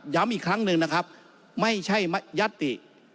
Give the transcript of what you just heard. อีกครั้งหนึ่งนะครับไม่ใช่ยัตติ